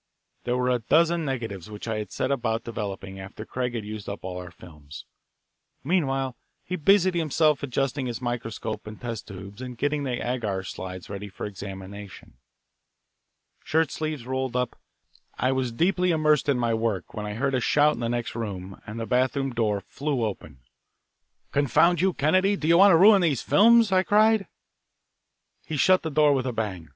There were a dozen negatives which I set about developing after Craig had used up all our films. Meanwhile, he busied himself adjusting his microscope and test tubes and getting the agar slides ready for examination. Shirt sleeves rolled up, I was deeply immersed in my work when I heard a shout in the next room, and the bathroom door flew open. "Confound you, Kennedy, do you want to ruin these films!" I cried. He shut the door with a bang.